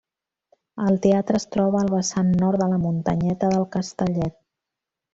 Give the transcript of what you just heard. El teatre es troba al vessant nord de la muntanyeta del Castellet.